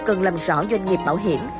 cần làm rõ doanh nghiệp bảo hiểm